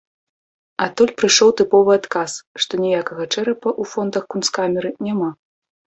Адтуль прыйшоў тыповы адказ, што ніякага чэрапа ў фондах кунсткамеры няма.